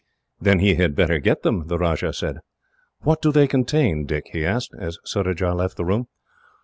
"Then he had better get them," the Rajah said. "What do they contain, Dick?" he asked, as Surajah left the room.